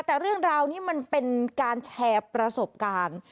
แต่เรื่องราวนี้มันเป็นการแชร์ประสบการณ์